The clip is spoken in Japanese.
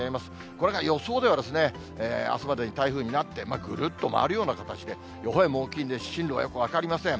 これが予想ではですね、あすまでに台風になって、ぐるっと回るような形で、予報円も大きいんで、進路がよく分かりません。